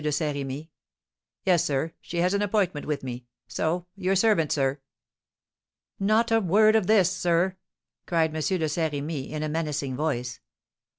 de Saint Remy. "Yes, sir; she has an appointment with me, so, your servant, sir." "Not a word of this, sir!" cried M. de Saint Remy, in a menacing voice.